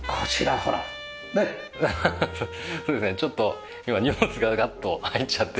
ちょっと今荷物がガッと入っちゃってる状態。